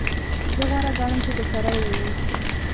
زه غوره ګڼم چی درسره ووینم.